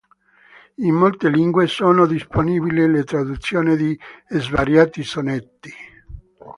In molte lingue sono disponibili le traduzioni di svariati sonetti.